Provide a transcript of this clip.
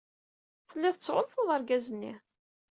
Telliḍ tettɣanfuḍ argaz-nni.